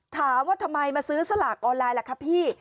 ถามว่าทำไมมาซื้อสลากออนไลน์ล่ะคะพี่